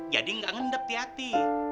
jadi gak ngendap di hati